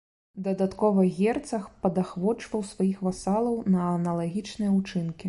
Дадаткова герцаг падахвочваў сваіх васалаў на аналагічныя ўчынкі.